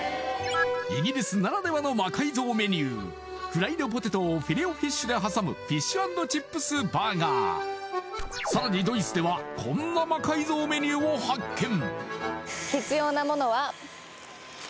フライドポテトをフィレオフィッシュで挟むフィッシュ＆チップスバーガーさらにドイツではこんな魔改造メニューを発見